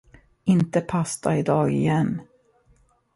Inte pasta idag igen!